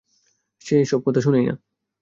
সে কথা শোনেই না।